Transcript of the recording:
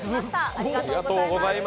ありがとうございます。